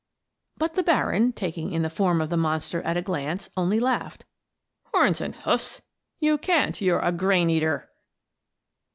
But the baron, taking in the form of the monster at a glance, only laughed. "Horns and hoofs? You can't. You're a grain eater!"